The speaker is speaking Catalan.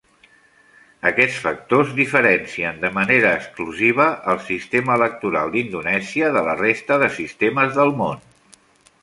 Aquests factors diferencien de manera exclusiva el sistema electoral d'Indonèsia de la resta de sistemes del món.